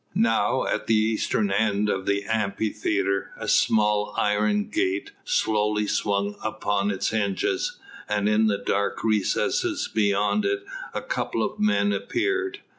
Now at the eastern end of the Amphitheatre a small iron gate slowly swung upon its hinges, and in the dark recess beyond it a couple of men appeared.